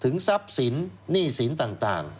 ทรัพย์สินหนี้สินต่าง